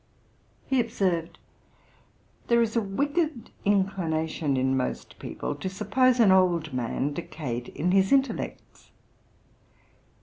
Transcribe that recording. He observed, 'There is a wicked inclination in most people to suppose an old man decayed in his intellects.